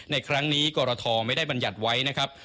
ในครั้งนี้กรทไม่ได้บรรยัติไว้นะครับ